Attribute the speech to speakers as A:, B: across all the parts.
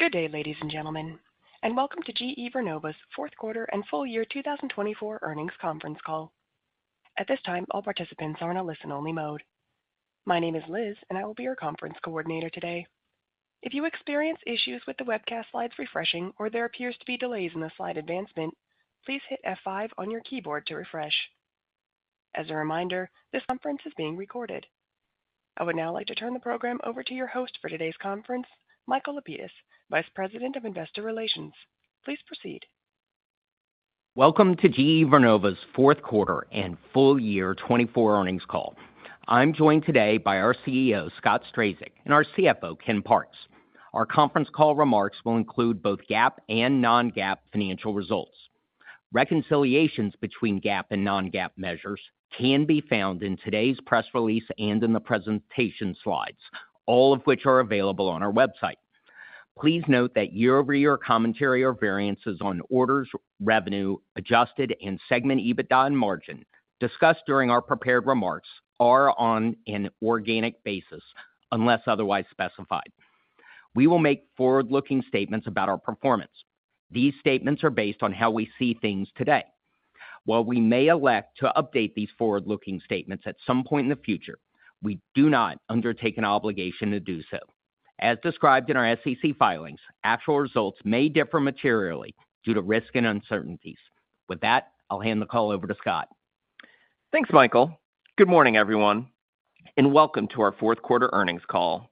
A: Good day, ladies and gentlemen, and welcome to GE Vernova's fourth quarter and full year 2024 earnings conference call. At this time, all participants are in a listen-only mode. My name is Liz, and I will be your conference coordinator today. If you experience issues with the webcast slides refreshing or there appears to be delays in the slide advancement, please hit F5 on your keyboard to refresh. As a reminder, this conference is being recorded. I would now like to turn the program over to your host for today's conference, Michael Lapides, Vice President of Investor Relations. Please proceed.
B: Welcome to GE Vernova's fourth quarter and full year 2024 earnings call. I'm joined today by our CEO, Scott Strazik, and our CFO, Ken Parks. Our conference call remarks will include both GAAP and non-GAAP financial results. Reconciliations between GAAP and non-GAAP measures can be found in today's press release and in the presentation slides, all of which are available on our website. Please note that year-over-year commentary or variances on orders, revenue, adjusted, and segment EBITDA and margin discussed during our prepared remarks are on an organic basis unless otherwise specified. We will make forward-looking statements about our performance. These statements are based on how we see things today. While we may elect to update these forward-looking statements at some point in the future, we do not undertake an obligation to do so. As described in our SEC filings, actual results may differ materially due to risk and uncertainties. With that, I'll hand the call over to Scott.
C: Thanks, Michael. Good morning, everyone, and welcome to our fourth quarter earnings call.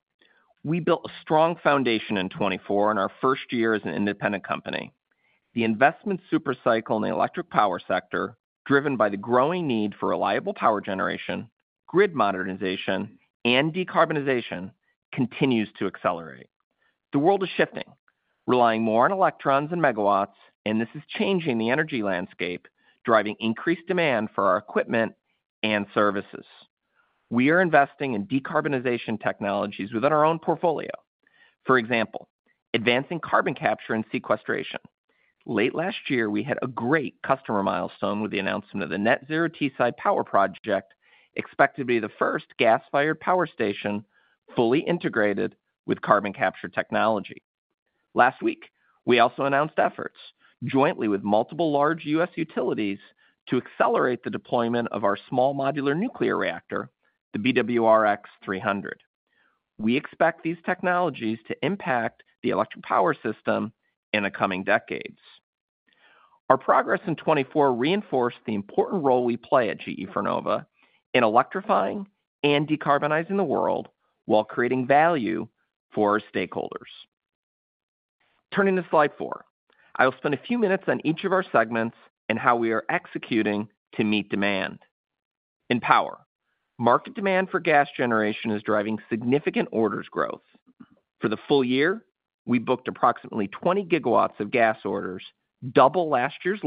C: We built a strong foundation in 2024 on our first year as an independent company. The investment supercycle in the electric power sector, driven by the growing need for reliable power generation, grid modernization, and decarbonization, continues to accelerate. The world is shifting, relying more on electrons and megawatts, and this is changing the energy landscape, driving increased demand for our equipment and services. We are investing in decarbonization technologies within our own portfolio. For example, advancing carbon capture and sequestration. Late last year, we had a great customer milestone with the announcement of the Net Zero Teesside Power Project, expected to be the first gas-fired power station fully integrated with carbon capture technology. Last week, we also announced efforts jointly with multiple large U.S. utilities to accelerate the deployment of our small modular nuclear reactor, the BWRX-300. We expect these technologies to impact the electric power system in the coming decades. Our progress in 2024 reinforced the important role we play at GE Vernova in electrifying and decarbonizing the world while creating value for our stakeholders. Turning to slide four, I will spend a few minutes on each of our segments and how we are executing to meet demand. In power, market demand for gas generation is driving significant orders growth. For the full year, we booked approximately 20 gigawatts of gas orders, double last year's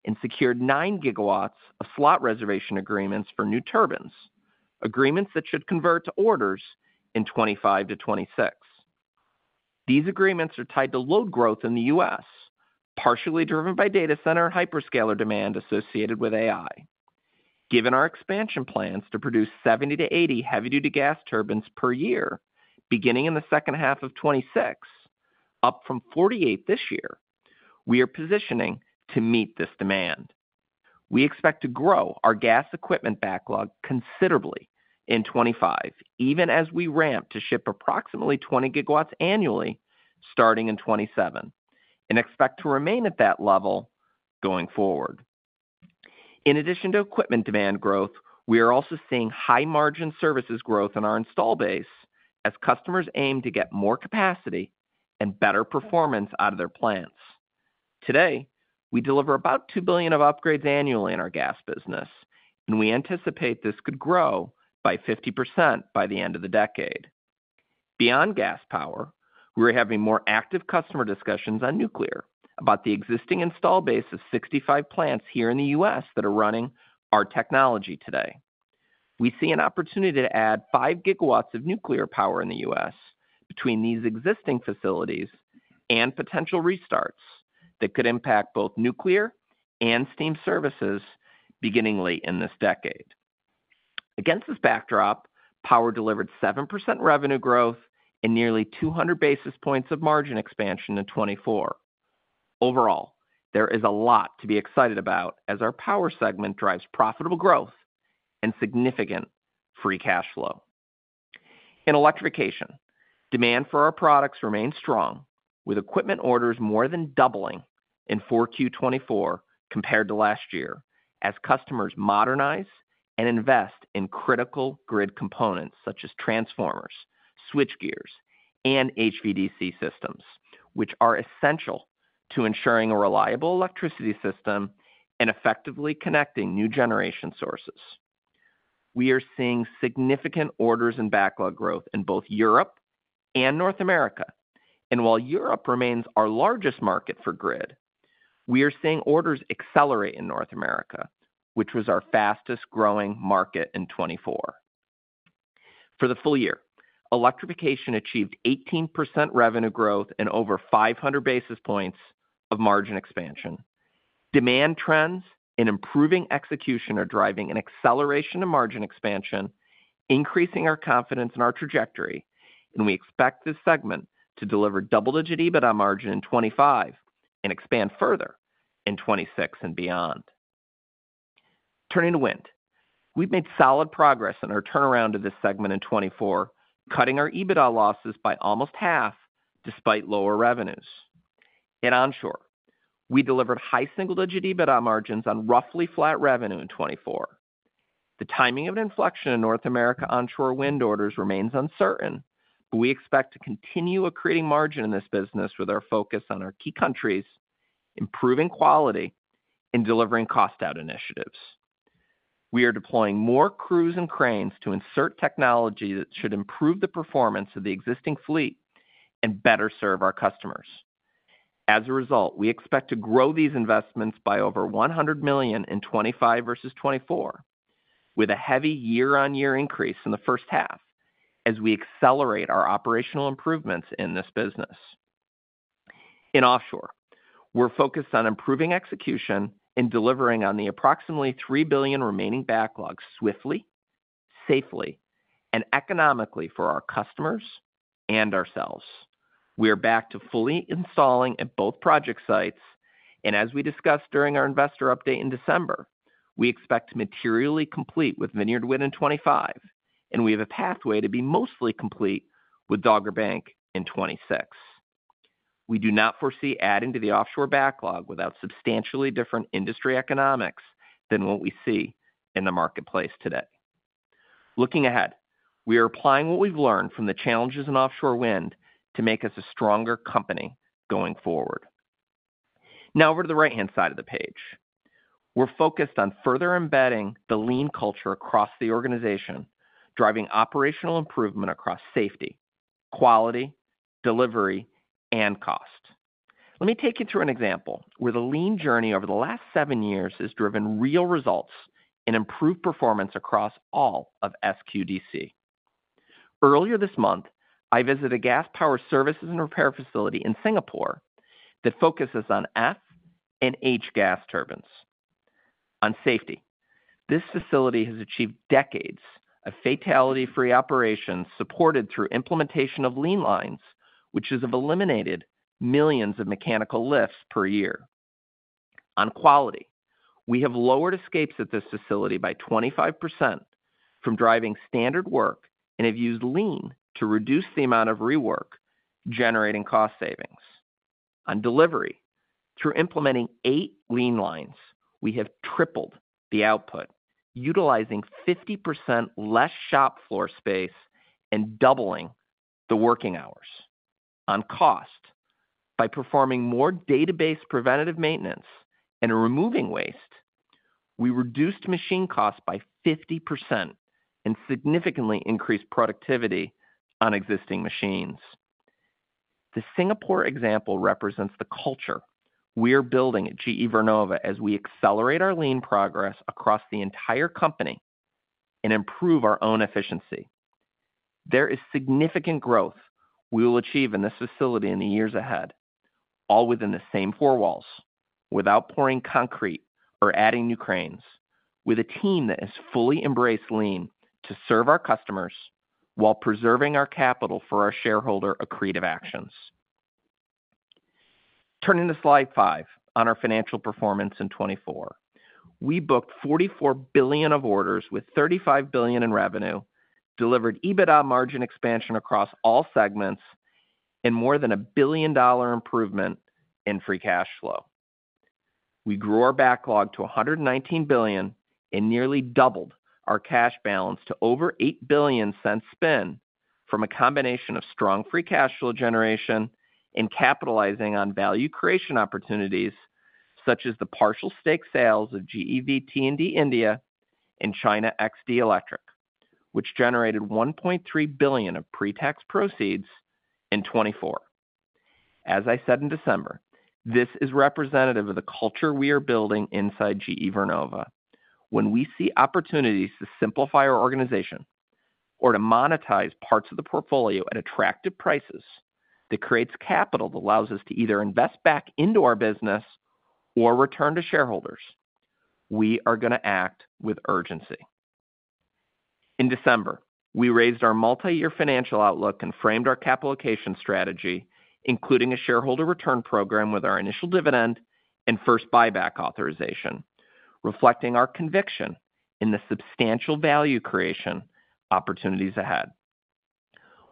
C: level, and secured nine gigawatts of slot reservation agreements for new turbines, agreements that should convert to orders in 2025 to 2026. These agreements are tied to load growth in the U.S., partially driven by data center and hyperscaler demand associated with AI. Given our expansion plans to produce 70 to 80 heavy-duty gas turbines per year, beginning in the second half of 2026, up from 48 this year, we are positioning to meet this demand. We expect to grow our gas equipment backlog considerably in 2025, even as we ramp to ship approximately 20 gigawatts annually starting in 2027 and expect to remain at that level going forward. In addition to equipment demand growth, we are also seeing high-margin services growth in our installed base as customers aim to get more capacity and better performance out of their plants. Today, we deliver about $2 billion of upgrades annually in our gas business, and we anticipate this could grow by 50% by the end of the decade. Beyond gas power, we are having more active customer discussions on nuclear about the existing install base of 65 plants here in the U.S. that are running our technology today. We see an opportunity to add five gigawatts of nuclear power in the U.S. between these existing facilities and potential restarts that could impact both nuclear and steam services beginning late in this decade. Against this backdrop, power delivered 7% revenue growth and nearly 200 basis points of margin expansion in 2024. Overall, there is a lot to be excited about as our power segment drives profitable growth and significant free cash flow. In electrification, demand for our products remains strong, with equipment orders more than doubling in 4Q 2024 compared to last year as customers modernize and invest in critical grid components such as transformers, switchgears, and HVDC systems, which are essential to ensuring a reliable electricity system and effectively connecting new generation sources. We are seeing significant orders and backlog growth in both Europe and North America. While Europe remains our largest market for grid, we are seeing orders accelerate in North America, which was our fastest-growing market in 2024. For the full year, electrification achieved 18% revenue growth and over 500 basis points of margin expansion. Demand trends and improving execution are driving an acceleration of margin expansion, increasing our confidence in our trajectory, and we expect this segment to deliver double-digit EBITDA margin in 2025 and expand further in 2026 and beyond. Turning to wind, we've made solid progress in our turnaround of this segment in 2024, cutting our EBITDA losses by almost half despite lower revenues. In onshore, we delivered high single-digit EBITDA margins on roughly flat revenue in 2024. The timing of inflection in North America onshore wind orders remains uncertain, but we expect to continue accreting margin in this business with our focus on our key countries, improving quality, and delivering cost-out initiatives. We are deploying more crews and cranes to insert technology that should improve the performance of the existing fleet and better serve our customers. As a result, we expect to grow these investments by over $100 million in 2025 versus 2024, with a heavy year-on-year increase in the first half as we accelerate our operational improvements in this business. In offshore, we're focused on improving execution and delivering on the approximately $3 billion remaining backlog swiftly, safely, and economically for our customers and ourselves. We are back to fully installing at both project sites, and as we discussed during our investor update in December, we expect to materially complete with Vineyard Wind in 2025, and we have a pathway to be mostly complete with Dogger Bank in 2026. We do not foresee adding to the offshore backlog without substantially different industry economics than what we see in the marketplace today. Looking ahead, we are applying what we've learned from the challenges in offshore wind to make us a stronger company going forward. Now, over to the right-hand side of the page, we're focused on further embedding the lean culture across the organization, driving operational improvement across safety, quality, delivery, and cost. Let me take you through an example where the lean journey over the last seven years has driven real results and improved performance across all of SQDC. Earlier this month, I visited a gas power services and repair facility in Singapore that focuses on F and H gas turbines. On safety, this facility has achieved decades of fatality-free operations supported through implementation of lean lines, which has eliminated millions of mechanical lifts per year. On quality, we have lowered escapes at this facility by 25% from driving standard work and have used lean to reduce the amount of rework, generating cost savings. On delivery, through implementing eight lean lines, we have tripled the output, utilizing 50% less shop floor space and doubling the working hours. On cost, by performing more data-based preventative maintenance and removing waste, we reduced machine costs by 50% and significantly increased productivity on existing machines. The Singapore example represents the culture we are building at GE Vernova as we accelerate our lean progress across the entire company and improve our own efficiency. There is significant growth we will achieve in this facility in the years ahead, all within the same four walls, without pouring concrete or adding new cranes, with a team that has fully embraced Lean to serve our customers while preserving our capital for our shareholder accretive actions. Turning to slide five on our financial performance in 2024, we booked $44 billion of orders with $35 billion in revenue, delivered EBITDA margin expansion across all segments, and more than a $1 billion improvement in free cash flow. We grew our backlog to $119 billion and nearly doubled our cash balance to over $8 billion since spin from a combination of strong free cash flow generation and capitalizing on value creation opportunities such as the partial stake sales of GEV T&D India and China XD Electric, which generated $1.3 billion of pre-tax proceeds in 2024. As I said in December, this is representative of the culture we are building inside GE Vernova. When we see opportunities to simplify our organization or to monetize parts of the portfolio at attractive prices that creates capital that allows us to either invest back into our business or return to shareholders, we are going to act with urgency. In December, we raised our multi-year financial outlook and framed our capitalization strategy, including a shareholder return program with our initial dividend and first buyback authorization, reflecting our conviction in the substantial value creation opportunities ahead.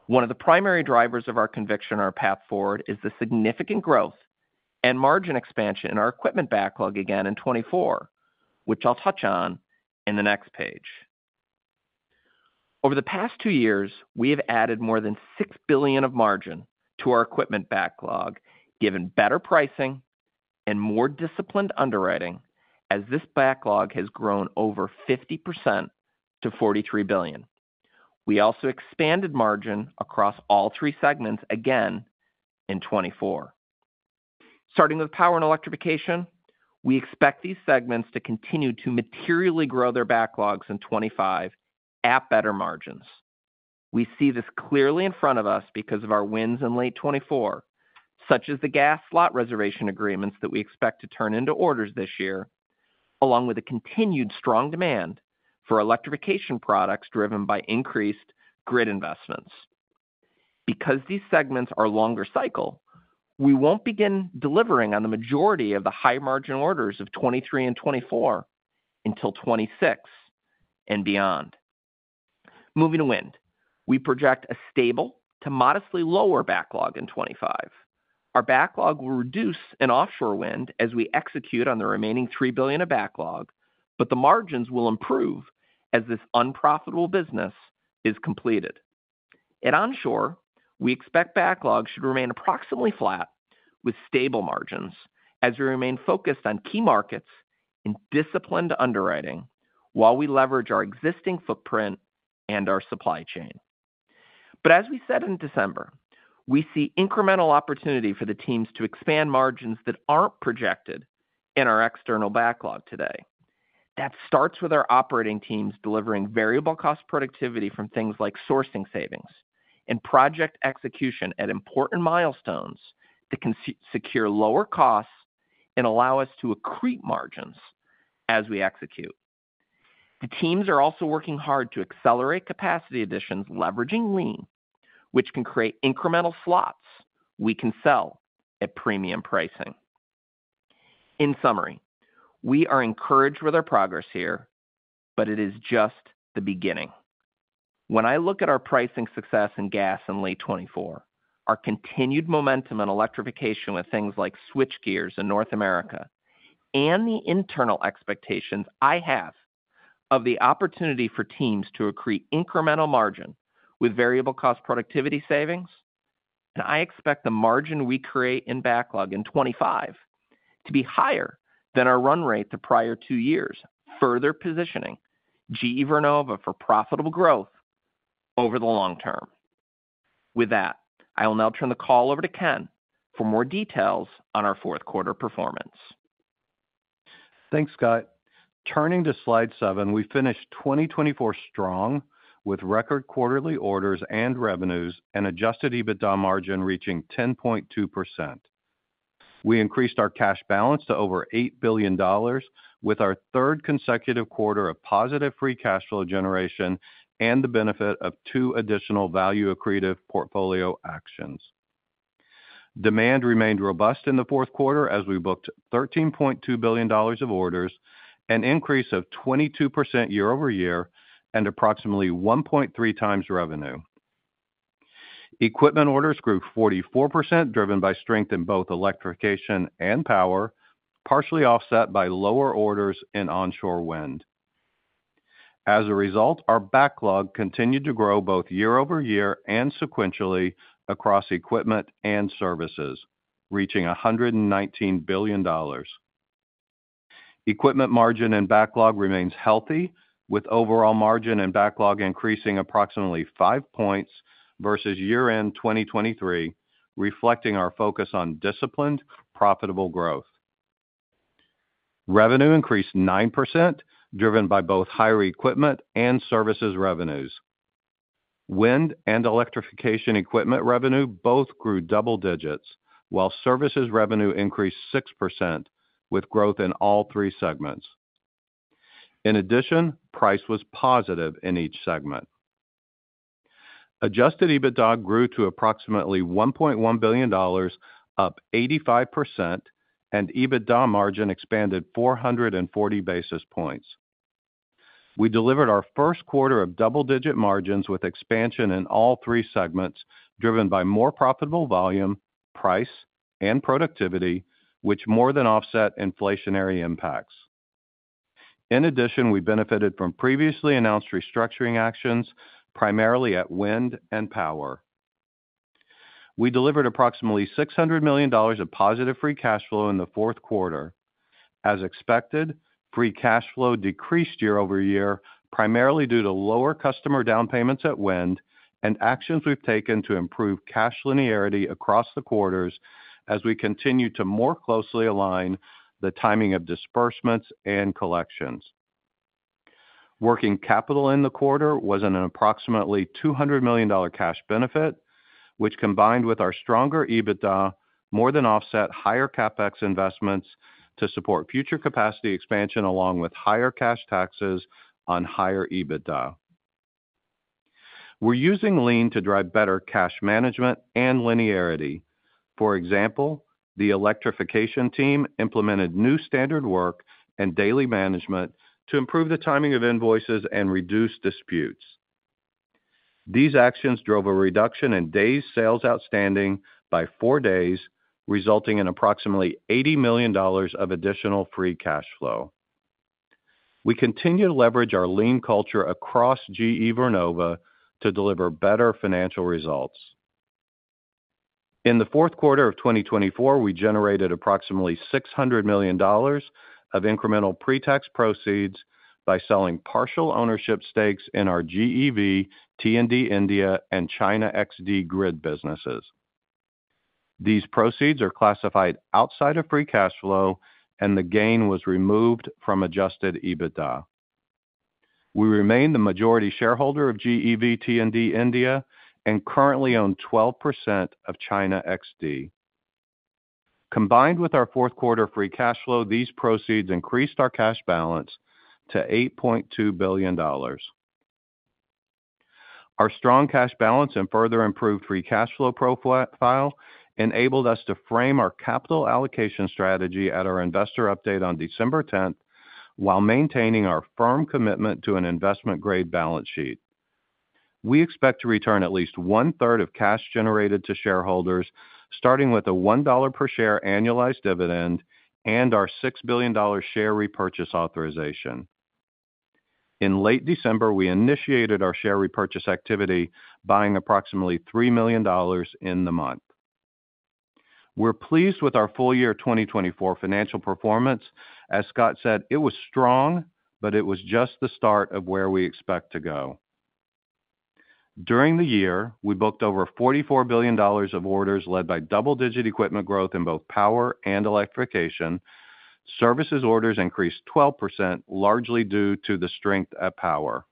C: One of the primary drivers of our conviction on our path forward is the significant growth and margin expansion in our equipment backlog again in 2024, which I'll touch on in the next page. Over the past two years, we have added more than $6 billion of margin to our equipment backlog, given better pricing and more disciplined underwriting as this backlog has grown over 50% to $43 billion. We also expanded margin across all three segments again in 2024. Starting with power and electrification, we expect these segments to continue to materially grow their backlogs in 2025 at better margins. We see this clearly in front of us because of our wins in late 2024, such as the gas slot reservation agreements that we expect to turn into orders this year, along with the continued strong demand for electrification products driven by increased grid investments. Because these segments are longer cycle, we won't begin delivering on the majority of the high-margin orders of 2023 and 2024 until 2026 and beyond. Moving to wind, we project a stable to modestly lower backlog in 2025. Our backlog will reduce in offshore wind as we execute on the remaining $3 billion of backlog, but the margins will improve as this unprofitable business is completed. In onshore, we expect backlog should remain approximately flat with stable margins as we remain focused on key markets and disciplined underwriting while we leverage our existing footprint and our supply chain. But as we said in December, we see incremental opportunity for the teams to expand margins that aren't projected in our external backlog today. That starts with our operating teams delivering variable cost productivity from things like sourcing savings and project execution at important milestones that can secure lower costs and allow us to accrete margins as we execute. The teams are also working hard to accelerate capacity additions, leveraging Lean, which can create incremental slots we can sell at premium pricing. In summary, we are encouraged with our progress here, but it is just the beginning. When I look at our pricing success in gas in late 2024, our continued momentum in electrification with things like switchgears in North America and the internal expectations I have of the opportunity for teams to accrete incremental margin with variable cost productivity savings, and I expect the margin we create in backlog in 2025 to be higher than our run rate the prior two years, further positioning GE Vernova for profitable growth over the long term. With that, I will now turn the call over to Ken for more details on our fourth quarter performance.
D: Thanks, Scott. Turning to slide seven, we finished 2024 strong with record quarterly orders and revenues and Adjusted EBITDA margin reaching 10.2%. We increased our cash balance to over $8 billion with our third consecutive quarter of positive free cash flow generation and the benefit of two additional value-accretive portfolio actions. Demand remained robust in the fourth quarter as we booked $13.2 billion of orders, an increase of 22% year-over-year, and approximately 1.3 times revenue. Equipment orders grew 44%, driven by strength in both electrification and power, partially offset by lower orders in onshore wind. As a result, our backlog continued to grow both year-over-year and sequentially across equipment and services, reaching $119 billion. Equipment margin and backlog remains healthy, with overall margin and backlog increasing approximately 5 points versus year-end 2023, reflecting our focus on disciplined, profitable growth. Revenue increased 9%, driven by both higher equipment and services revenues. Wind and electrification equipment revenue both grew double digits, while services revenue increased 6%, with growth in all three segments. In addition, price was positive in each segment. Adjusted EBITDA grew to approximately $1.1 billion, up 85%, and EBITDA margin expanded 440 basis points. We delivered our first quarter of double-digit margins with expansion in all three segments, driven by more profitable volume, price, and productivity, which more than offset inflationary impacts. In addition, we benefited from previously announced restructuring actions, primarily at wind and power. We delivered approximately $600 million of positive free cash flow in the fourth quarter. As expected, free cash flow decreased year-over-year, primarily due to lower customer down payments at wind and actions we've taken to improve cash linearity across the quarters as we continue to more closely align the timing of disbursements and collections. Working capital in the quarter was an approximately $200 million cash benefit, which combined with our stronger EBITDA more than offset higher CapEx investments to support future capacity expansion along with higher cash taxes on higher EBITDA. We're using lean to drive better cash management and linearity. For example, the electrification team implemented new standard work and daily management to improve the timing of invoices and reduce disputes. These actions drove a reduction in days sales outstanding by four days, resulting in approximately $80 million of additional free cash flow. We continue to leverage our lean culture across GE Vernova to deliver better financial results. In the fourth quarter of 2024, we generated approximately $600 million of incremental pre-tax proceeds by selling partial ownership stakes in our GE T&D India and China XD grid businesses. These proceeds are classified outside of free cash flow, and the gain was removed from Adjusted EBITDA. We remain the majority shareholder of GE T&D India and currently own 12% of China XD. Combined with our fourth quarter free cash flow, these proceeds increased our cash balance to $8.2 billion. Our strong cash balance and further improved free cash flow profile enabled us to frame our capital allocation strategy at our investor update on December 10th while maintaining our firm commitment to an investment-grade balance sheet. We expect to return at least one-third of cash generated to shareholders, starting with a $1 per share annualized dividend and our $6 billion share repurchase authorization. In late December, we initiated our share repurchase activity, buying approximately $3 million in the month. We're pleased with our full year 2024 financial performance. As Scott said, it was strong, but it was just the start of where we expect to go. During the year, we booked over $44 billion of orders led by double-digit equipment growth in both power and electrification. Services orders increased 12%, largely due to the strength at power.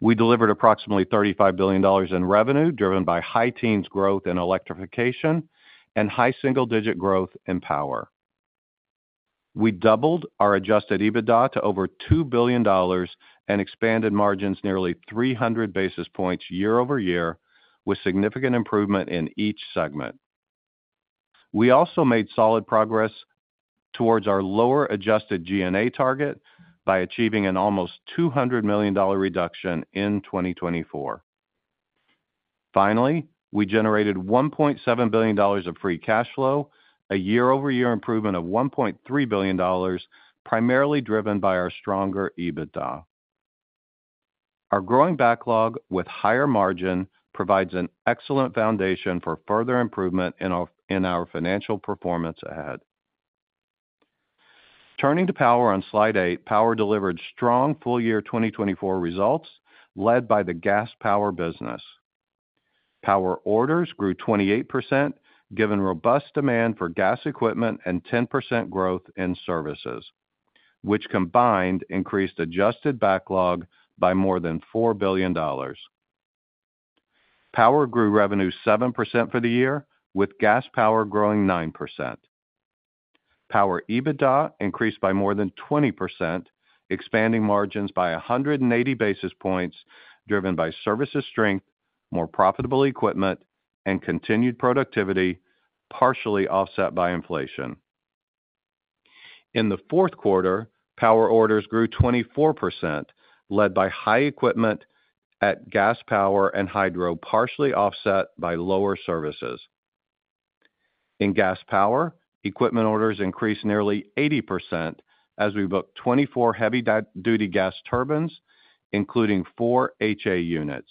D: We delivered approximately $35 billion in revenue, driven by high teens growth in electrification and high single-digit growth in power. We doubled our adjusted EBITDA to over $2 billion and expanded margins nearly 300 basis points year-over-year, with significant improvement in each segment. We also made solid progress towards our lower adjusted G&A target by achieving an almost $200 million reduction in 2024. Finally, we generated $1.7 billion of free cash flow, a year-over-year improvement of $1.3 billion, primarily driven by our stronger EBITDA. Our growing backlog with higher margin provides an excellent foundation for further improvement in our financial performance ahead. Turning to power on slide eight, power delivered strong full year 2024 results led by the gas power business. Power orders grew 28%, given robust demand for gas equipment and 10% growth in services, which combined increased adjusted backlog by more than $4 billion. Power grew revenue 7% for the year, with gas power growing 9%. Power EBITDA increased by more than 20%, expanding margins by 180 basis points, driven by services strength, more profitable equipment, and continued productivity, partially offset by inflation. In the fourth quarter, power orders grew 24%, led by HA equipment at gas power and hydro, partially offset by lower services. In gas power, equipment orders increased nearly 80% as we booked 24 heavy-duty gas turbines, including four HA units.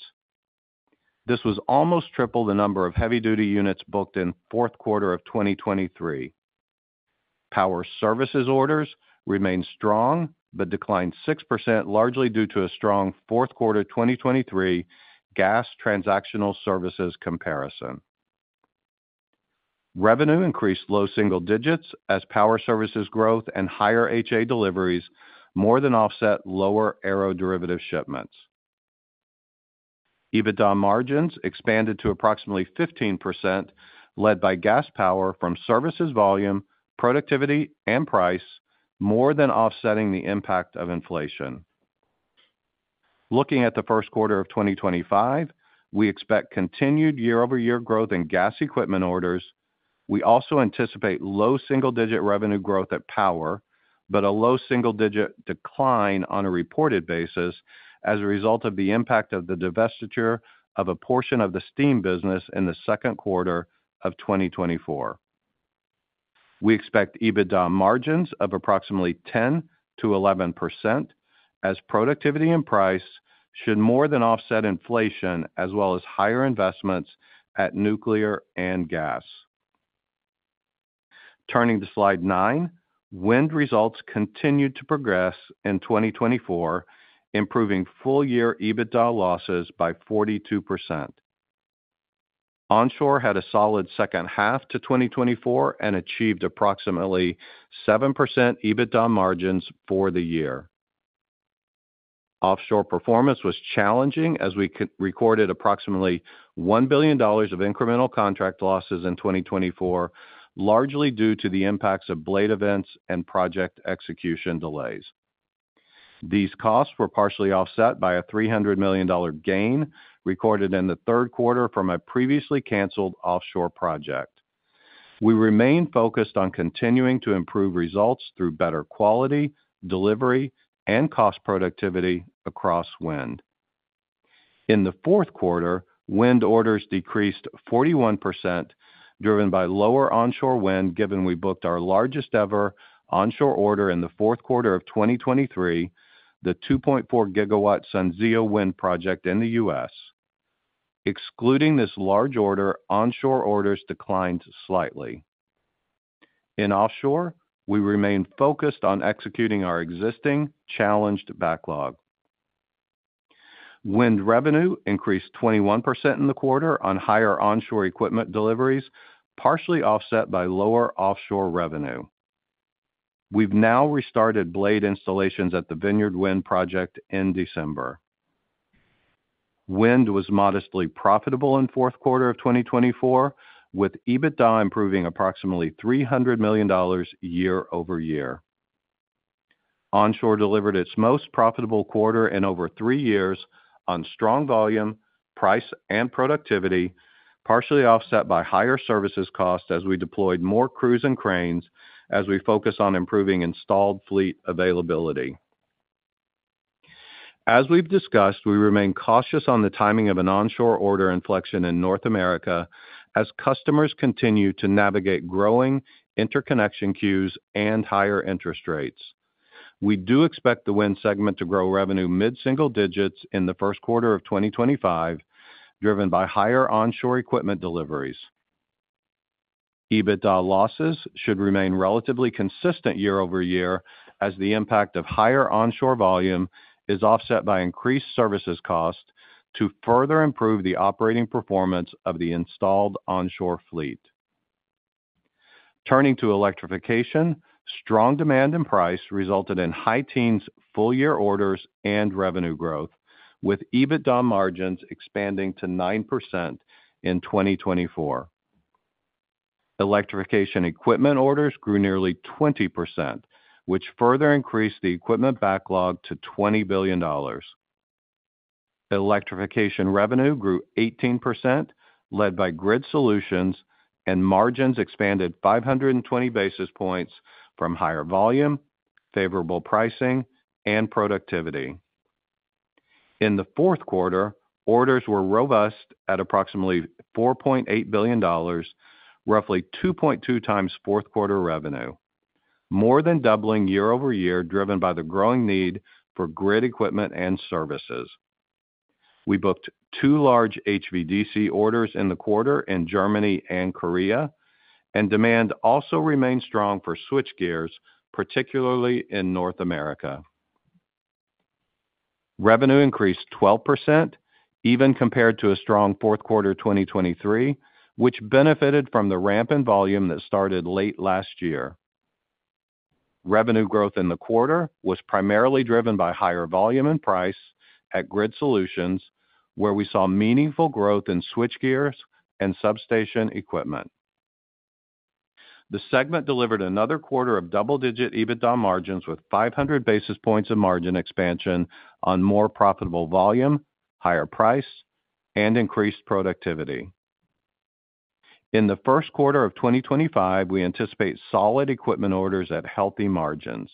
D: This was almost triple the number of heavy-duty units booked in the fourth quarter of 2023. Power services orders remained strong but declined 6%, largely due to a strong fourth quarter 2023 gas transactional services comparison. Revenue increased low single digits as power services growth and higher HA deliveries more than offset lower aeroderivative shipments. EBITDA margins expanded to approximately 15%, led by gas power from services volume, productivity, and price, more than offsetting the impact of inflation. Looking at the first quarter of 2025, we expect continued year-over-year growth in gas equipment orders. We also anticipate low single-digit revenue growth at power, but a low single-digit decline on a reported basis as a result of the impact of the divestiture of a portion of the steam business in the second quarter of 2024. We expect EBITDA margins of approximately 10%-11% as productivity and price should more than offset inflation, as well as higher investments at nuclear and gas. Turning to slide nine, wind results continued to progress in 2024, improving full year EBITDA losses by 42%. Onshore had a solid second half of 2024 and achieved approximately 7% EBITDA margins for the year. Offshore performance was challenging as we recorded approximately $1 billion of incremental contract losses in 2024, largely due to the impacts of blade events and project execution delays. These costs were partially offset by a $300 million gain recorded in the third quarter from a previously canceled offshore project. We remained focused on continuing to improve results through better quality, delivery, and cost productivity across wind. In the fourth quarter, wind orders decreased 41%, driven by lower onshore wind, given we booked our largest ever onshore order in the fourth quarter of 2023, the 2.4 gigawatt SunZia wind project in the US. Excluding this large order, onshore orders declined slightly. In offshore, we remained focused on executing our existing challenged backlog. Wind revenue increased 21% in the quarter on higher onshore equipment deliveries, partially offset by lower offshore revenue. We've now restarted blade installations at the Vineyard Wind project in December. Wind was modestly profitable in the fourth quarter of 2024, with EBITDA improving approximately $300 million year-over-year. Onshore delivered its most profitable quarter in over three years on strong volume, price, and productivity, partially offset by higher services costs as we deployed more crews and cranes as we focus on improving installed fleet availability. As we've discussed, we remain cautious on the timing of an onshore order inflection in North America as customers continue to navigate growing interconnection queues and higher interest rates. We do expect the wind segment to grow revenue mid-single digits in the first quarter of 2025, driven by higher onshore equipment deliveries. EBITDA losses should remain relatively consistent year-over-year as the impact of higher onshore volume is offset by increased services costs to further improve the operating performance of the installed onshore fleet. Turning to electrification, strong demand and price resulted in high teens full year orders and revenue growth, with EBITDA margins expanding to 9% in 2024. Electrification equipment orders grew nearly 20%, which further increased the equipment backlog to $20 billion. Electrification revenue grew 18%, led by grid solutions, and margins expanded 520 basis points from higher volume, favorable pricing, and productivity. In the fourth quarter, orders were robust at approximately $4.8 billion, roughly 2.2 times fourth quarter revenue, more than doubling year-over-year, driven by the growing need for grid equipment and services. We booked two large HVDC orders in the quarter in Germany and Korea, and demand also remained strong for switchgears, particularly in North America. Revenue increased 12%, even compared to a strong fourth quarter 2023, which benefited from the ramp in volume that started late last year. Revenue growth in the quarter was primarily driven by higher volume and price at grid solutions, where we saw meaningful growth in switchgears and substation equipment. The segment delivered another quarter of double-digit EBITDA margins with 500 basis points of margin expansion on more profitable volume, higher price, and increased productivity. In the first quarter of 2025, we anticipate solid equipment orders at healthy margins.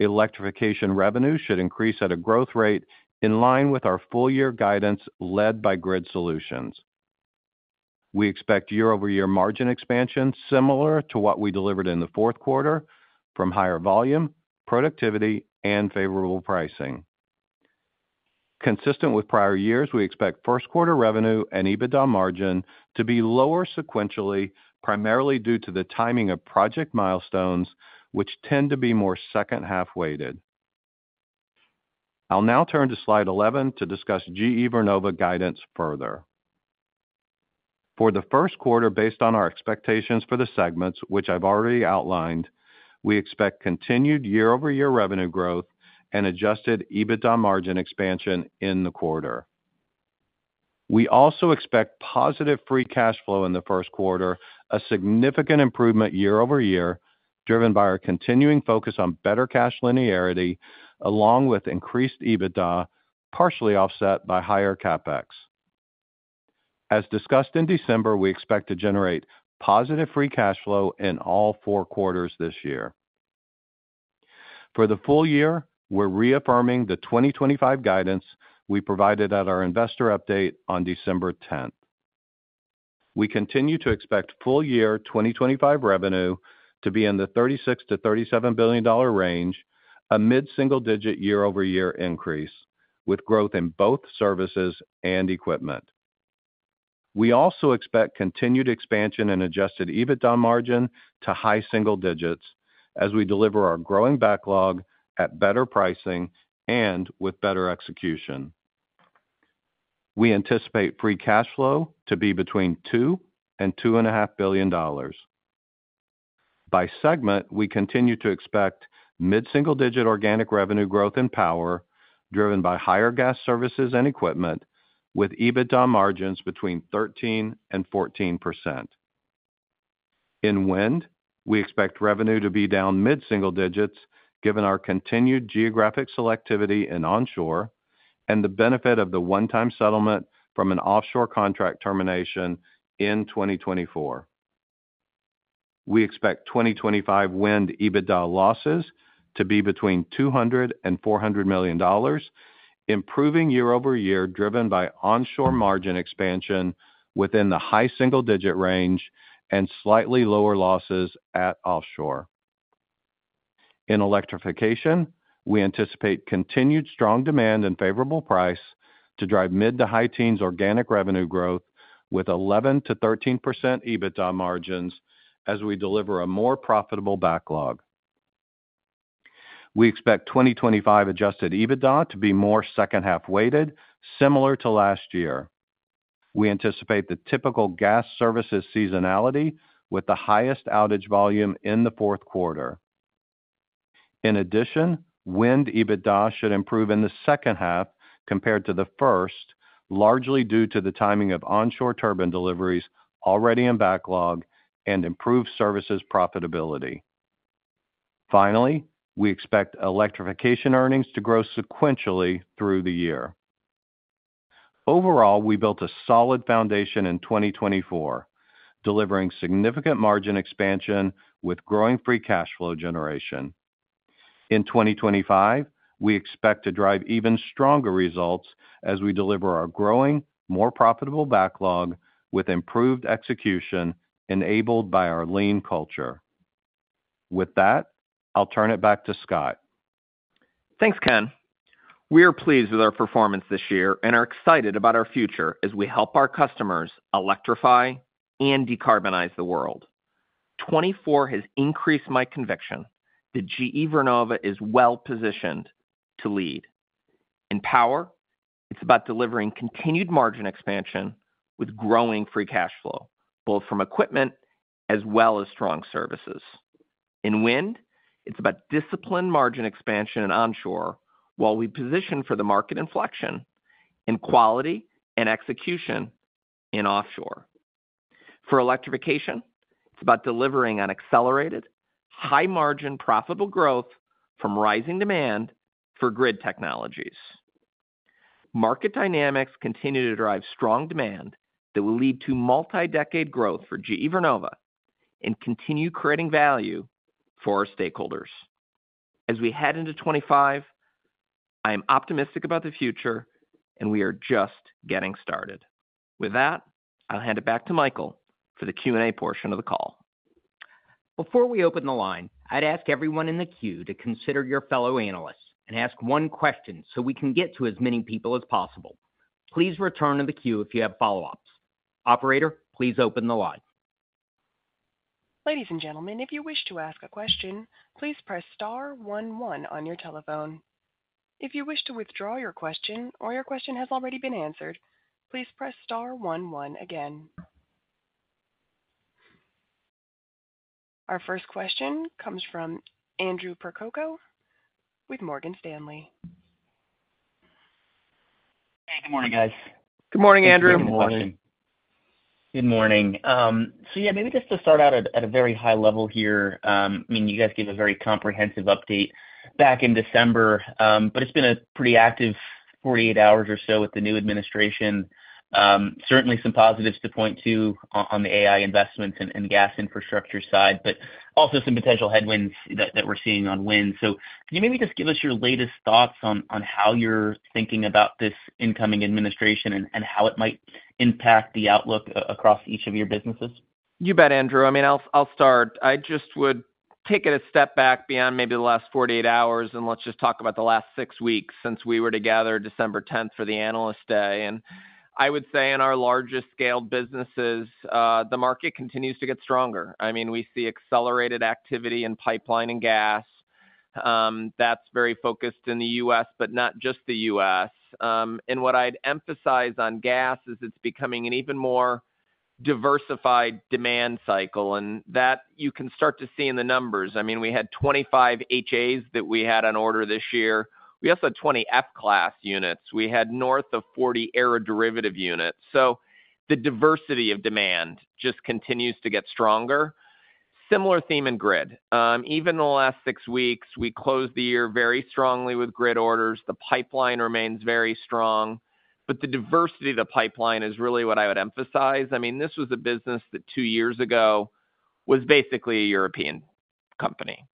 D: Electrification revenue should increase at a growth rate in line with our full year guidance led by grid solutions. We expect year-over-year margin expansion similar to what we delivered in the fourth quarter from higher volume, productivity, and favorable pricing. Consistent with prior years, we expect first quarter revenue and EBITDA margin to be lower sequentially, primarily due to the timing of project milestones, which tend to be more second half weighted. I'll now turn to slide 11 to discuss GE Vernova guidance further. For the first quarter, based on our expectations for the segments, which I've already outlined, we expect continued year-over-year revenue growth and adjusted EBITDA margin expansion in the quarter. We also expect positive free cash flow in the first quarter, a significant improvement year-over-year, driven by our continuing focus on better cash linearity, along with increased EBITDA, partially offset by higher CapEx. As discussed in December, we expect to generate positive free cash flow in all four quarters this year. For the full year, we're reaffirming the 2025 guidance we provided at our investor update on December 10th. We continue to expect full year 2025 revenue to be in the $36-$37 billion range, a mid-single digit year-over-year increase, with growth in both services and equipment. We also expect continued expansion and adjusted EBITDA margin to high single digits as we deliver our growing backlog at better pricing and with better execution. We anticipate free cash flow to be between $2 and $2.5 billion. By segment, we continue to expect mid-single digit organic revenue growth in power, driven by higher gas services and equipment, with EBITDA margins between 13% and 14%. In wind, we expect revenue to be down mid-single digits, given our continued geographic selectivity in onshore and the benefit of the one-time settlement from an offshore contract termination in 2024. We expect 2025 wind EBITDA losses to be between $200 and $400 million, improving year-over-year, driven by onshore margin expansion within the high single digit range and slightly lower losses at offshore. In electrification, we anticipate continued strong demand and favorable pricing to drive mid to high teens organic revenue growth with 11%-13% EBITDA margins as we deliver a more profitable backlog. We expect 2025 adjusted EBITDA to be more second half weighted, similar to last year. We anticipate the typical gas services seasonality with the highest outage volume in the fourth quarter. In addition, wind EBITDA should improve in the second half compared to the first, largely due to the timing of onshore turbine deliveries already in backlog and improved services profitability. Finally, we expect electrification earnings to grow sequentially through the year. Overall, we built a solid foundation in 2024, delivering significant margin expansion with growing free cash flow generation. In 2025, we expect to drive even stronger results as we deliver our growing, more profitable backlog with improved execution enabled by our lean culture. With that, I'll turn it back to Scott. Thanks, Ken. We are pleased with our performance this year and are excited about our future as we help our customers electrify and decarbonize the world. 2024 has increased my conviction that GE Vernova is well positioned to lead. In power, it's about delivering continued margin expansion with growing free cash flow, both from equipment as well as strong services. In wind, it's about disciplined margin expansion in onshore while we position for the market inflection in quality and execution in offshore. For electrification, it's about delivering on accelerated, high-margin profitable growth from rising demand for grid technologies. Market dynamics continue to drive strong demand that will lead to multi-decade growth for GE Vernova and continue creating value for our stakeholders. As we head into 2025, I am optimistic about the future, and we are just getting started. With that, I'll hand it back to Michael for the Q&A portion of the call.
B: Before we open the line, I'd ask everyone in the queue to consider your fellow analysts and ask one question so we can get to as many people as possible. Please return to the queue if you have follow-ups. Operator, please open the line.
A: Ladies and gentlemen, if you wish to ask a question, please press star one one on your telephone. If you wish to withdraw your question or your question has already been answered, please press star one one again. Our first question comes from Andrew Percoco with Morgan Stanley.
E: Hey, good morning, guys.
C: Good morning, Andrew.
D: Good morning.
E: Good morning. So yeah, maybe just to start out at a very high level here, I mean, you guys gave a very comprehensive update back in December, but it's been a pretty active 48 hours or so with the new administration. Certainly some positives to point to on the AI investments and gas infrastructure side, but also some potential headwinds that we're seeing on wind. So can you maybe just give us your latest thoughts on how you're thinking about this incoming administration and how it might impact the outlook across each of your businesses?
C: You bet, Andrew. I mean, I'll start. I just would take it a step back beyond maybe the last 48 hours, and let's just talk about the last six weeks since we were together December 10th for the Analyst Day. And I would say in our largest scaled businesses, the market continues to get stronger. I mean, we see accelerated activity in pipeline and gas. That's very focused in the U.S., but not just the U.S. And what I'd emphasize on gas is it's becoming an even more diversified demand cycle, and that you can start to see in the numbers. I mean, we had 25 HAs that we had on order this year. We also had 20 F-class units. We had north of 40 aeroderivative units. So the diversity of demand just continues to get stronger. Similar theme in grid. Even in the last six weeks, we closed the year very strongly with grid orders. The pipeline remains very strong, but the diversity of the pipeline is really what I would emphasize. I mean, this was a business that two years ago was basically a European company.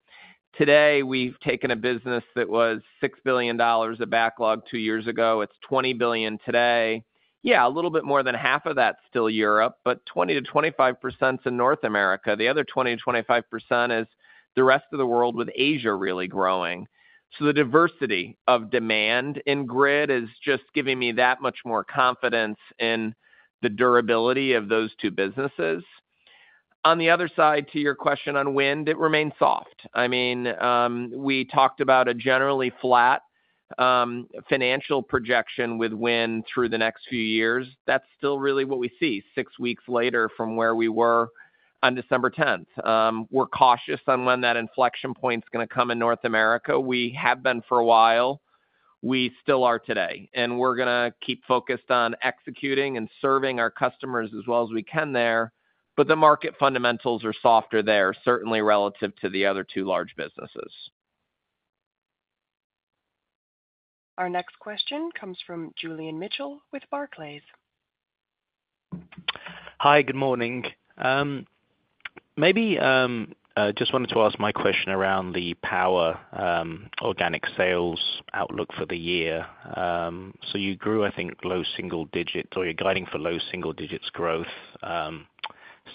C: Today, we've taken a business that was $6 billion of backlog two years ago. It's $20 billion today. Yeah, a little bit more than half of that's still Europe, but 20%-25% is in North America. The other 20%-25% is the rest of the world with Asia really growing. So the diversity of demand in grid is just giving me that much more confidence in the durability of those two businesses. On the other side to your question on wind, it remains soft. I mean, we talked about a generally flat financial projection with wind through the next few years. That's still really what we see six weeks later from where we were on December 10th. We're cautious on when that inflection point's going to come in North America. We have been for a while. We still are today. And we're going to keep focused on executing and serving our customers as well as we can there. But the market fundamentals are softer there, certainly relative to the other two large businesses.
A: Our next question comes from Julian Mitchell with Barclays.
F: Hi, good morning. Maybe I just wanted to ask my question around the power organic sales outlook for the year. So you grew, I think, low single digits or you're guiding for low single digits growth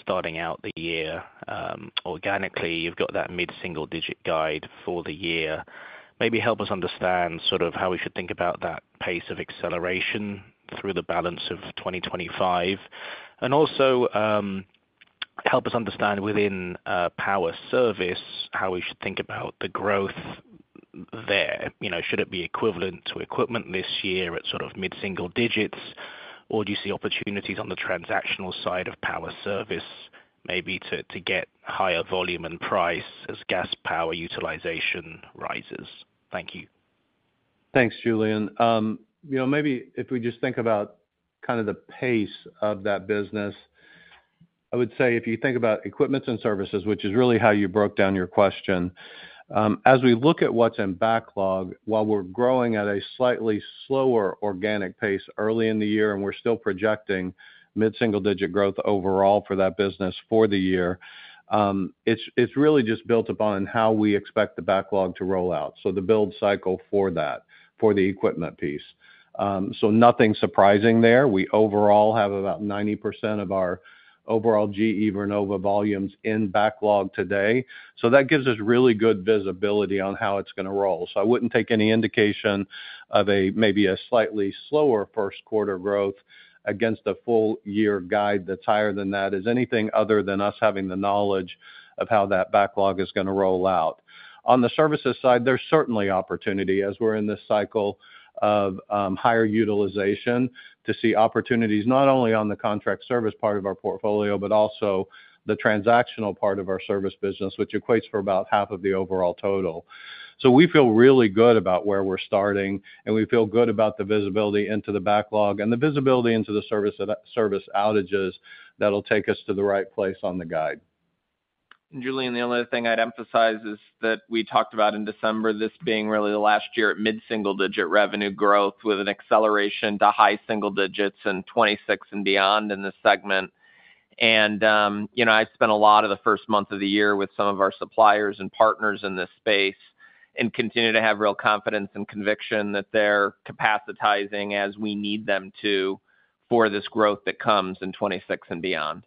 F: starting out the year.
C: Organically, you've got that mid-single digit guide for the year. Maybe help us understand sort of how we should think about that pace of acceleration through the balance of 2025. And also help us understand within power service how we should think about the growth there. Should it be equivalent to equipment this year at sort of mid-single digits, or do you see opportunities on the transactional side of power service maybe to get higher volume and price as gas power utilization rises? Thank you.
D: Thanks, Julian. Maybe if we just think about kind of the pace of that business, I would say if you think about equipment and services, which is really how you broke down your question, as we look at what's in backlog, while we're growing at a slightly slower organic pace early in the year and we're still projecting mid-single digit growth overall for that business for the year, it's really just built upon how we expect the backlog to roll out. So the build cycle for that, for the equipment piece. So nothing surprising there. We overall have about 90% of our overall GE Vernova volumes in backlog today. So that gives us really good visibility on how it's going to roll. So, I wouldn't take any indication of maybe a slightly slower first quarter growth against a full year guide that's higher than that as anything other than us having the knowledge of how that backlog is going to roll out. On the services side, there's certainly opportunity as we're in this cycle of higher utilization to see opportunities not only on the contract service part of our portfolio, but also the transactional part of our service business, which equates to about half of the overall total. So we feel really good about where we're starting, and we feel good about the visibility into the backlog and the visibility into the service outages that'll take us to the right place on the guide.
C: Julian, the only other thing I'd emphasize is that we talked about in December this being really the last year at mid-single-digit revenue growth with an acceleration to high single digits and 26 and beyond in the segment. I spent a lot of the first month of the year with some of our suppliers and partners in this space and continue to have real confidence and conviction that they're capacitating as we need them to for this growth that comes in 26 and beyond.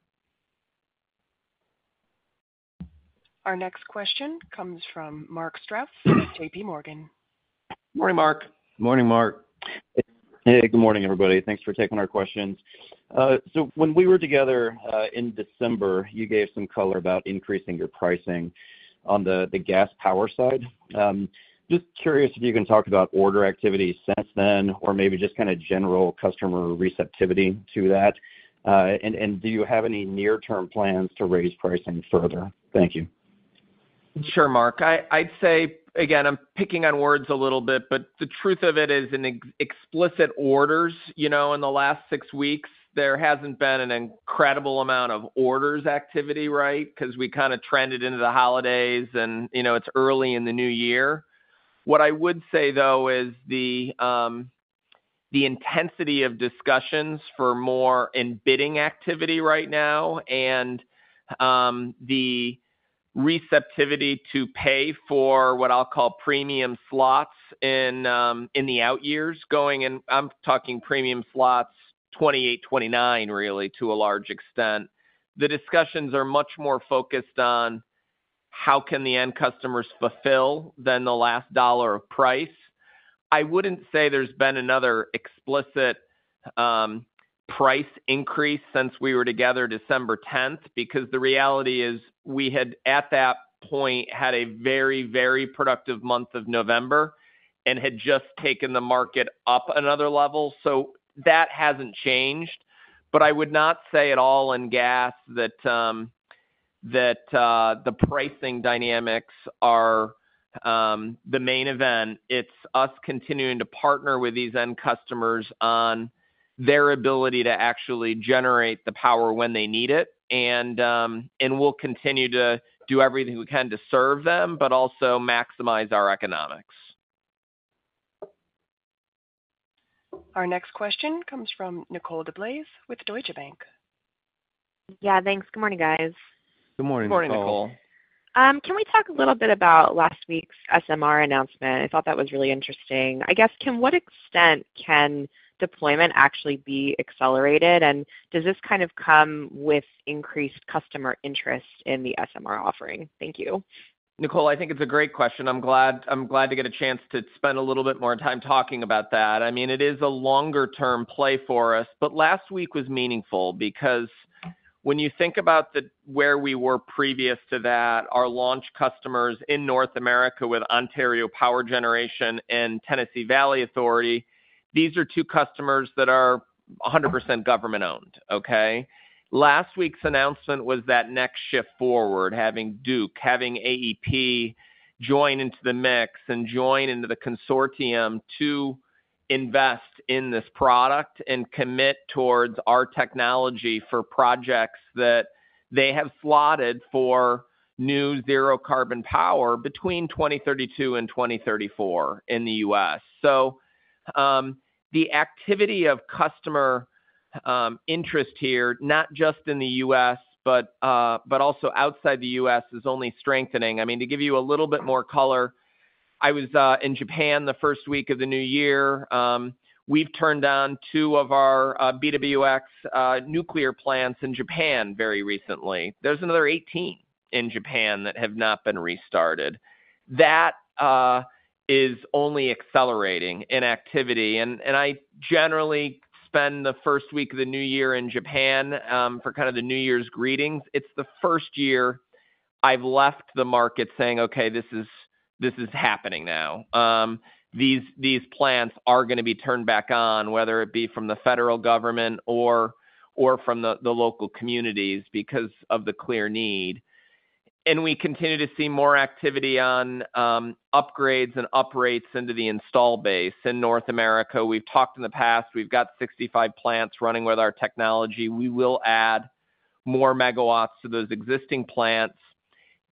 A: Our next question comes from Mark Strouse, J.P. Morgan.
C: Morning, Mark.
D: Morning, Mark.
G: Hey, good morning, everybody. Thanks for taking our questions. So when we were together in December, you gave some color about increasing your pricing on the gas power side. Just curious if you can talk about order activity since then or maybe just kind of general customer receptivity to that. Do you have any near-term plans to raise pricing further? Thank you.
C: Sure, Mark. I'd say, again, I'm picking on words a little bit, but the truth of it is in explicit orders in the last six weeks, there hasn't been an incredible amount of orders activity, right? Because we kind of trended into the holidays and it's early in the new year. What I would say, though, is the intensity of discussions for more in bidding activity right now and the receptivity to pay for what I'll call premium slots in the out years going in. I'm talking premium slots 28, 29 really to a large extent. The discussions are much more focused on how can the end customers fulfill than the last dollar of price. I wouldn't say there's been another explicit price increase since we were together December 10th because the reality is we had at that point had a very, very productive month of November and had just taken the market up another level. So that hasn't changed. But I would not say at all in gas that the pricing dynamics are the main event. It's us continuing to partner with these end customers on their ability to actually generate the power when they need it. And we'll continue to do everything we can to serve them, but also maximize our economics.
A: Our next question comes from Nicole DeBlase with Deutsche Bank.
H: Yeah, thanks. Good morning, guys.
C: Good morning, Nicole.
D: Good morning, Nicole.
H: Can we talk a little bit about last week's SMR announcement? I thought that was really interesting. I guess, to what extent can deployment actually be accelerated? And does this kind of come with increased customer interest in the SMR offering? Thank you.
C: Nicole, I think it's a great question. I'm glad to get a chance to spend a little bit more time talking about that. I mean, it is a longer-term play for us. But last week was meaningful because when you think about where we were previous to that, our launch customers in North America with Ontario Power Generation and Tennessee Valley Authority, these are two customers that are 100% government-owned, okay? Last week's announcement was that next step forward, having Duke, having AEP join into the mix and join into the consortium to invest in this product and commit towards our technology for projects that they have slotted for net zero carbon power between 2032 and 2034 in the U.S. So the activity of customer interest here, not just in the U.S., but also outside the U.S., is only strengthening. I mean, to give you a little bit more color, I was in Japan the first week of the new year. We've turned on two of our BWRX nuclear plants in Japan very recently. There's another 18 in Japan that have not been restarted. That is only accelerating in activity. And I generally spend the first week of the new year in Japan for kind of the New Year's greetings. It's the first year I've left the market saying, "Okay, this is happening now. These plants are going to be turned back on, whether it be from the federal government or from the local communities because of the clear need." And we continue to see more activity on upgrades and uprates into the installed base in North America. We've talked in the past. We've got 65 plants running with our technology. We will add more megawatts to those existing plants.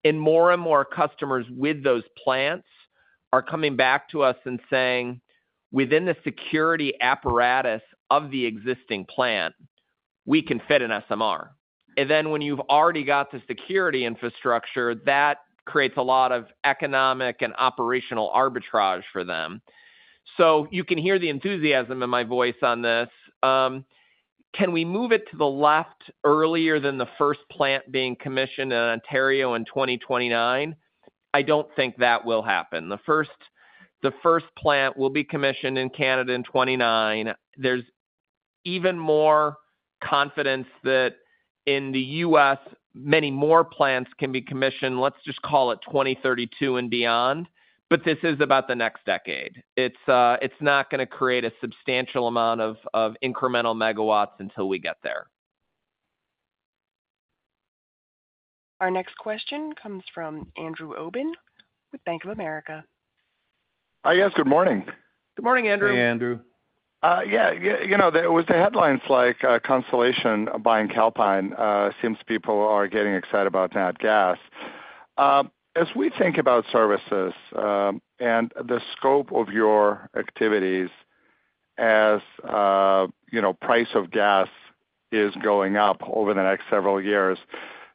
C: And more and more customers with those plants are coming back to us and saying, "Within the security apparatus of the existing plant, we can fit an SMR." And then when you've already got the security infrastructure, that creates a lot of economic and operational arbitrage for them. So you can hear the enthusiasm in my voice on this. Can we move it to the left earlier than the first plant being commissioned in Ontario in 2029? I don't think that will happen. The first plant will be commissioned in Canada in 2029. There's even more confidence that in the U.S., many more plants can be commissioned, let's just call it 2032 and beyond. But this is about the next decade. It's not going to create a substantial amount of incremental megawatts until we get there.
A: Our next question comes from Andrew Obin with Bank of America. Hi, yes. Good morning.
C: Good morning, Andrew.
D: Hey, Andrew. Yeah.
I: It was the headlines like Constellation buying Calpine. It seems people are getting excited about that gas. As we think about services and the scope of your activities as price of gas is going up over the next several years,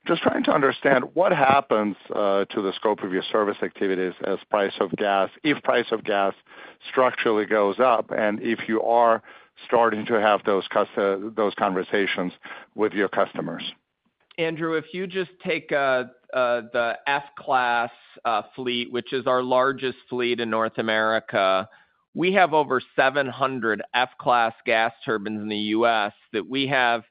I: just trying to understand what happens to the scope of your service activities as price of gas, if price of gas structurally goes up, and if you are starting to have those conversations with your customers.
C: Andrew, if you just take the F-class fleet, which is our largest fleet in North America, we have over 700 F-class gas turbines in the U.S. that we have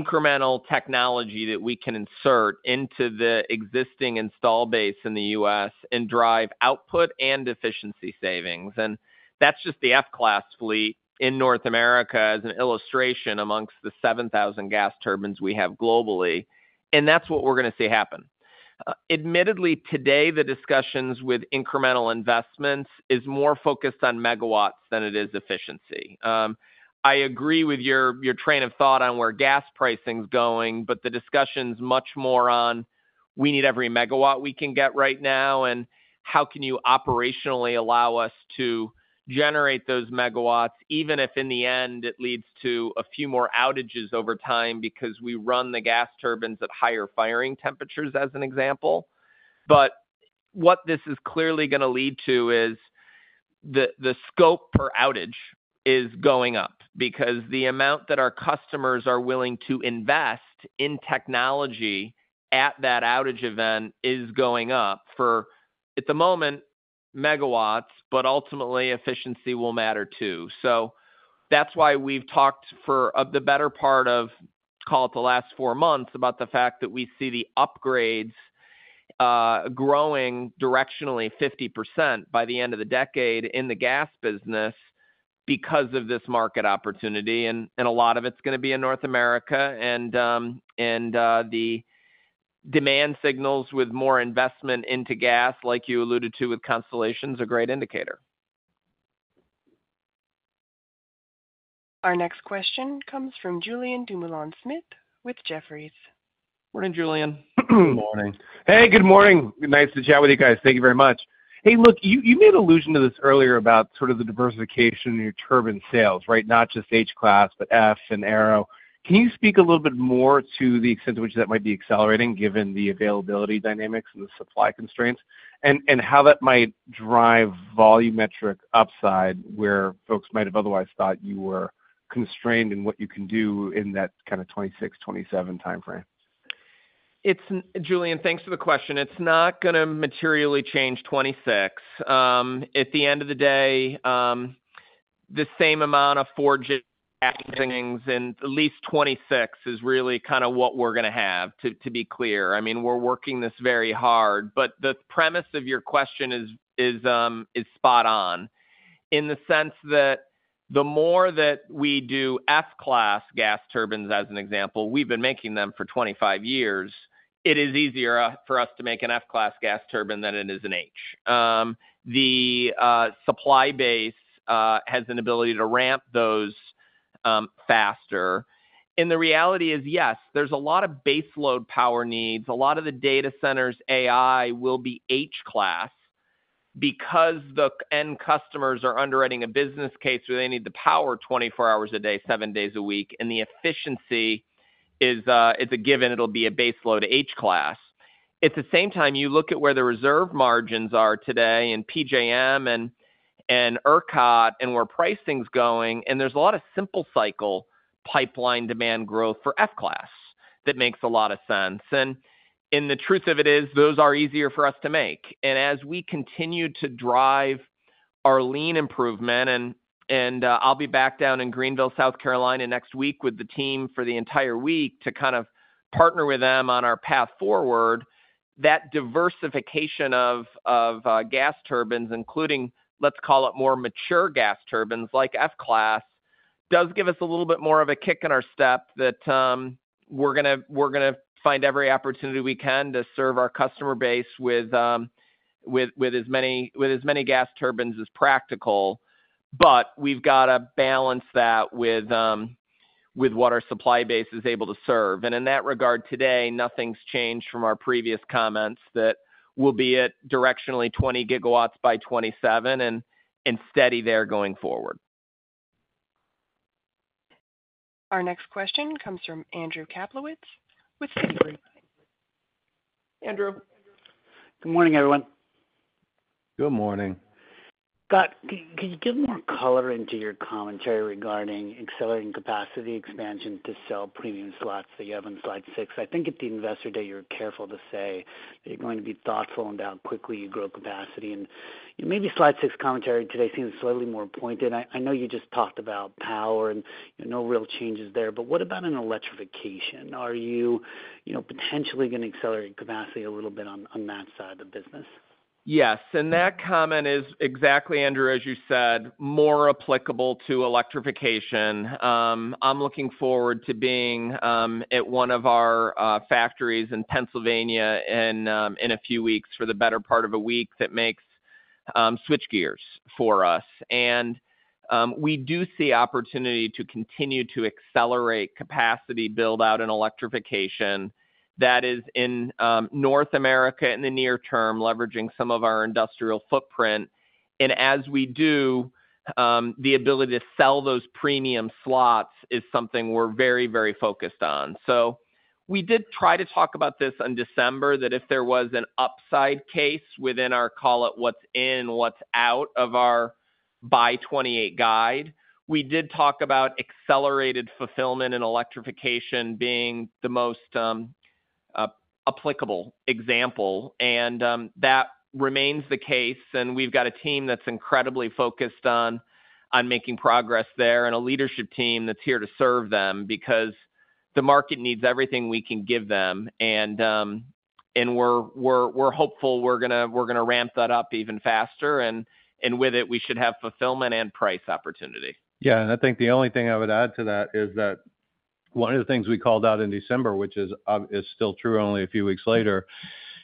C: incremental technology that we can insert into the existing installed base in the U.S. and drive output and efficiency savings. And that's just the F-class fleet in North America as an illustration amongst the 7,000 gas turbines we have globally. And that's what we're going to see happen. Admittedly, today, the discussions with incremental investments are more focused on megawatts than it is efficiency. I agree with your train of thought on where gas pricing is going, but the discussion is much more on, "We need every megawatt we can get right now, and how can you operationally allow us to generate those megawatts, even if in the end it leads to a few more outages over time because we run the gas turbines at higher firing temperatures," as an example. But what this is clearly going to lead to is the scope per outage is going up because the amount that our customers are willing to invest in technology at that outage event is going up for, at the moment, megawatts, but ultimately, efficiency will matter too. So that's why we've talked for the better part of, call it the last four months, about the fact that we see the upgrades growing directionally 50% by the end of the decade in the gas business because of this market opportunity. And a lot of it's going to be in North America. And the demand signals with more investment into gas, like you alluded to with Constellation, is a great indicator.
A: Our next question comes from Julian Dumoulin-Smith with Jefferies.
C: Morning, Julian.
D: Good morning.
J: Hey, good morning. Nice to chat with you guys. Thank you very much. Hey, look, you made allusion to this earlier about sort of the diversification in your turbine sales, right? Not just H-class, but F and aeroderivative. Can you speak a little bit more to the extent to which that might be accelerating given the availability dynamics and the supply constraints and how that might drive volumetric upside where folks might have otherwise thought you were constrained in what you can do in that kind of 2026, 2027 timeframe?
C: Julian, thanks for the question. It's not going to materially change 2026. At the end of the day, the same amount of gas turbines adding in at least 2026 is really kind of what we're going to have, to be clear. I mean, we're working this very hard. But the premise of your question is spot on in the sense that the more that we do F-class gas turbines, as an example, we've been making them for 25 years, it is easier for us to make an F-class gas turbine than it is an H. The supply base has an ability to ramp those faster, and the reality is, yes, there's a lot of baseload power needs. A lot of the data centers' AI will be H-class because the end customers are underwriting a business case where they need the power 24 hours a day, seven days a week, and the efficiency is a given. It'll be a baseload H-class. At the same time, you look at where the reserve margins are today in PJM and ERCOT and where pricing is going, and there's a lot of simple cycle pipeline demand growth for F-class that makes a lot of sense, and the truth of it is those are easier for us to make. And as we continue to drive our lean improvement, and I'll be back down in Greenville, South Carolina, next week with the team for the entire week to kind of partner with them on our path forward, that diversification of gas turbines, including, let's call it, more mature gas turbines like F-class, does give us a little bit more of a kick in our step that we're going to find every opportunity we can to serve our customer base with as many gas turbines as practical. But we've got to balance that with what our supply base is able to serve. And in that regard, today, nothing's changed from our previous comments that we'll be at directionally 20 gigawatts by 2027 and steady there going forward.
A: Our next question comes from Andrew Kaplowitz with Citigroup.
C: Andrew.
K: Good morning, everyone.
D: Good morning.
K: Scott, can you give more color into your commentary regarding accelerating capacity expansion to sell premium slots that you have on slide six? I think at the investor day, you were careful to say that you're going to be thoughtful and how quickly you grow capacity. Maybe slide six commentary today seems slightly more pointed. I know you just talked about power and no real changes there. But what about in electrification? Are you potentially going to accelerate capacity a little bit on that side of the business?
C: Yes. That comment is exactly, Andrew, as you said, more applicable to electrification. I'm looking forward to being at one of our factories in Pennsylvania in a few weeks for the better part of a week that makes switchgears for us. And we do see opportunity to continue to accelerate capacity build-out and electrification that is in North America in the near term, leveraging some of our industrial footprint. And as we do, the ability to sell those premium slots is something we're very, very focused on. So we did try to talk about this in December that if there was an upside case within our, call it, what's in, what's out of our by 2028 guide, we did talk about accelerated fulfillment and electrification being the most applicable example. And that remains the case. And we've got a team that's incredibly focused on making progress there and a leadership team that's here to serve them because the market needs everything we can give them. And we're hopeful we're going to ramp that up even faster. And with it, we should have fulfillment and price opportunity. Yeah.
D: And I think the only thing I would add to that is that one of the things we called out in December, which is still true only a few weeks later,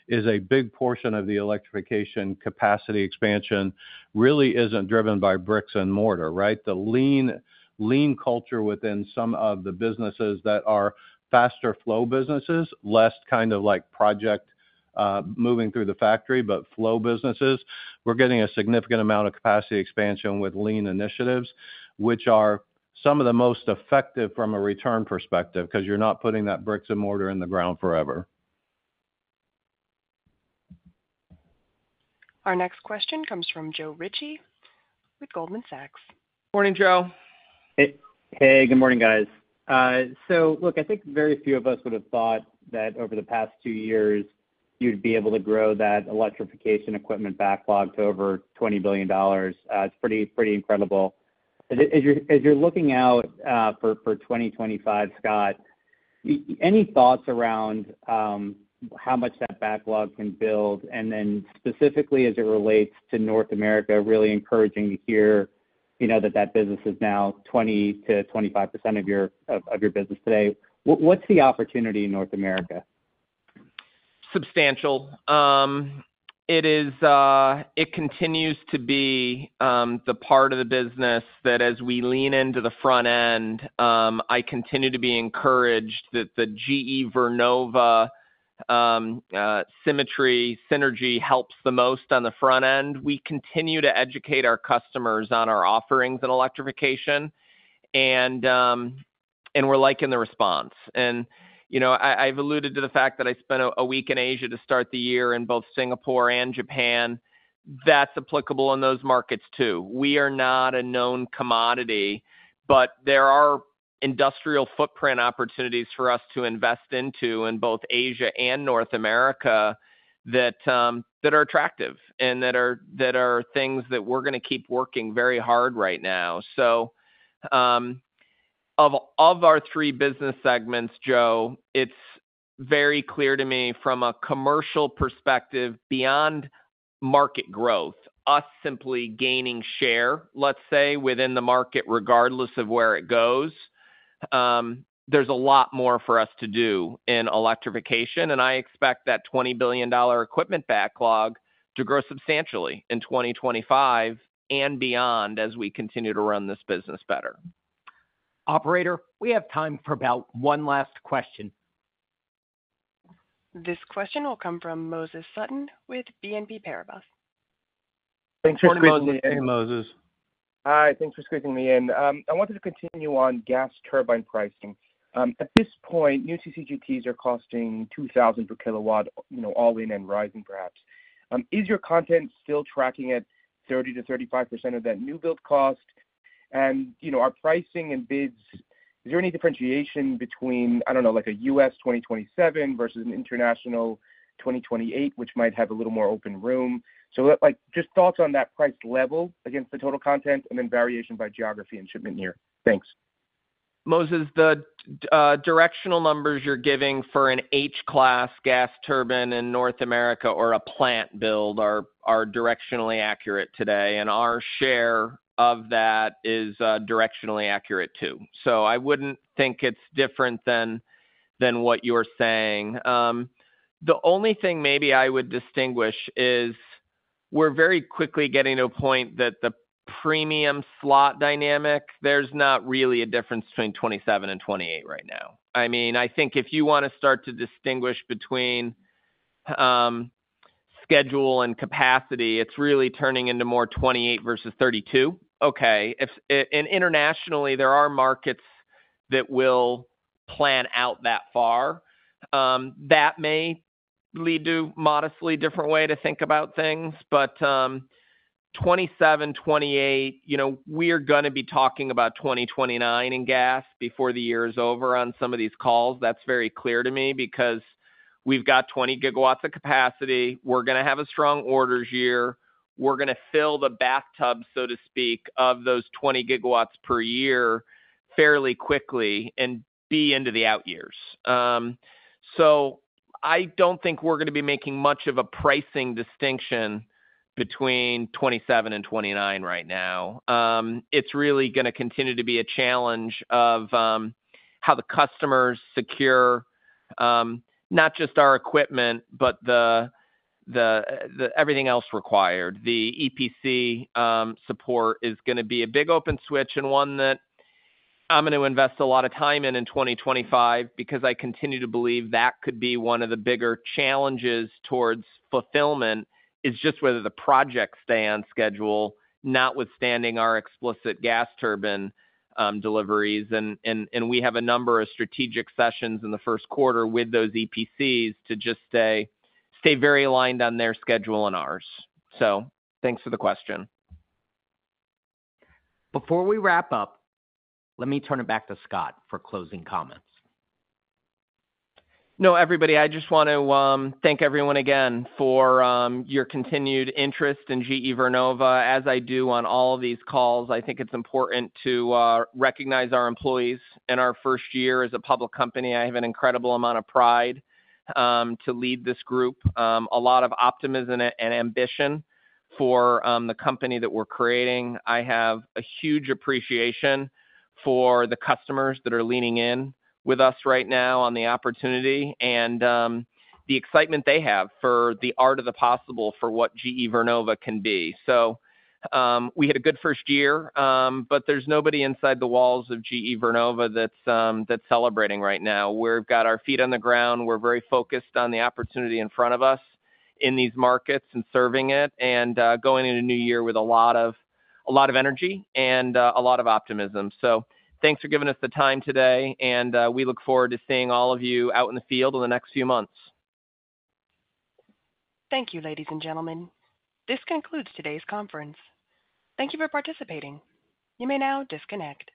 D: is a big portion of the electrification capacity expansion really isn't driven by bricks and mortar, right? The lean culture within some of the businesses that are faster flow businesses, less kind of like project moving through the factory, but flow businesses, we're getting a significant amount of capacity expansion with lean initiatives, which are some of the most effective from a return perspective because you're not putting that bricks and mortar in the ground forever. Our next question comes from Joe Ritchie with Goldman Sachs.
C: Morning, Joe.
L: Hey. Good morning, guys. So look, I think very few of us would have thought that over the past two years, you'd be able to grow that electrification equipment backlog to over $20 billion. It's pretty incredible. As you're looking out for 2025, Scott, any thoughts around how much that backlog can build? And then specifically, as it relates to North America, really encouraging to hear that that business is now 20%-25% of your business today. What's the opportunity in North America?
C: Substantial. It continues to be the part of the business that as we lean into the front end, I continue to be encouraged that the GE Vernova system synergy helps the most on the front end. We continue to educate our customers on our offerings in electrification. And we're liking the response. I've alluded to the fact that I spent a week in Asia to start the year in both Singapore and Japan. That's applicable in those markets too. We are not a known commodity, but there are industrial footprint opportunities for us to invest into in both Asia and North America that are attractive and that are things that we're going to keep working very hard right now. Of our three business segments, Joe, it's very clear to me from a commercial perspective, beyond market growth, us simply gaining share, let's say, within the market regardless of where it goes, there's a lot more for us to do in electrification. I expect that $20 billion equipment backlog to grow substantially in 2025 and beyond as we continue to run this business better.
B: Operator, we have time for about one last question.
A: This question will come from Moses Sutton with BNP Paribas.
M: Thanks for squeezing me in.
D: Moses. Hi.
N: Thanks for squeezing me in. I wanted to continue on gas turbine pricing. At this point, new CCGTs are costing $2,000 per kilowatt, all in and rising, perhaps. Is your content still tracking at 30%-35% of that new build cost? And our pricing and bids, is there any differentiation between, I don't know, like a US 2027 versus an international 2028, which might have a little more open room? So just thoughts on that price level against the total content and then variation by geography and shipment year. Thanks.
C: Moses, the directional numbers you're giving for an H-class gas turbine in North America or a plant build are directionally accurate today. And our share of that is directionally accurate too. So I wouldn't think it's different than what you're saying. The only thing maybe I would distinguish is we're very quickly getting to a point that the premium slot dynamic, there's not really a difference between 2027 and 2028 right now. I mean, I think if you want to start to distinguish between schedule and capacity, it's really turning into more 2028 versus 2032. Okay. And internationally, there are markets that will plan out that far. That may lead to a modestly different way to think about things. But 2027, 2028, we are going to be talking about 2029 in gas before the year is over on some of these calls. That's very clear to me because we've got 20 gigawatts of capacity. We're going to have a strong orders year. We're going to fill the bathtub, so to speak, of those 20 gigawatts per year fairly quickly and be into the out years. So I don't think we're going to be making much of a pricing distinction between 2027 and 2029 right now. It's really going to continue to be a challenge of how the customers secure not just our equipment, but everything else required. The EPC support is going to be a big open question and one that I'm going to invest a lot of time in in 2025 because I continue to believe that could be one of the bigger challenges towards fulfillment is just whether the project stay on schedule, notwithstanding our explicit gas turbine deliveries. And we have a number of strategic sessions in the first quarter with those EPCs to just stay very aligned on their schedule and ours. So thanks for the question.
B: Before we wrap up, let me turn it back to Scott for closing comments.
C: No, everybody, I just want to thank everyone again for your continued interest in GE Vernova as I do on all of these calls. I think it's important to recognize our employees in our first year as a public company. I have an incredible amount of pride to lead this group, a lot of optimism and ambition for the company that we're creating. I have a huge appreciation for the customers that are leaning in with us right now on the opportunity and the excitement they have for the art of the possible for what GE Vernova can be. So we had a good first year, but there's nobody inside the walls of GE Vernova that's celebrating right now. We've got our feet on the ground. We're very focused on the opportunity in front of us in these markets and serving it and going into a new year with a lot of energy and a lot of optimism. So thanks for giving us the time today. And we look forward to seeing all of you out in the field in the next few months.
A: Thank you, ladies and gentlemen. This concludes today's conference. Thank you for participating. You may now disconnect.